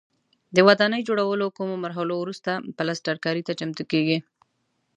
د ودانۍ جوړولو کومو مرحلو وروسته پلسترکاري ته چمتو کېږي.